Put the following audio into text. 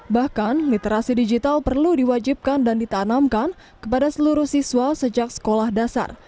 bahkan literasi digital perlu diwajibkan dan ditanamkan kepada seluruh siswa sejak sekolah dasar